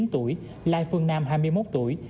một mươi chín tuổi lai phương nam hai mươi một tuổi